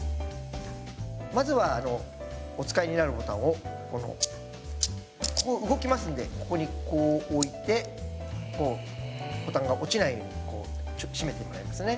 まずはあのお使いになるボタンをこのここ動きますんでここにこう置いてこうボタンが落ちないようにこうちょっと締めてもらいますね。